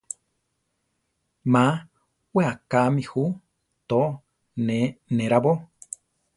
Má we akámi ju, to ne nerábo.